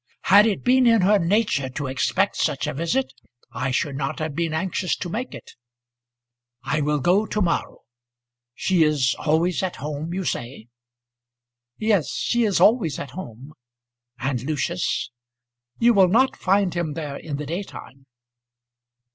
Had it been in her nature to expect such a visit, I should not have been anxious to make it. I will go to morrow. She is always at home you say?" "Yes, she is always at home." "And, Lucius " "You will not find him there in the daytime."